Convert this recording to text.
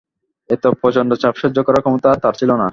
এত প্রচণ্ড চাপ সহ্য করার ক্ষমতা তার ছিল না।